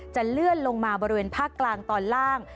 เลื่อนลงมาบริเวณภาคกลางตอนล่าง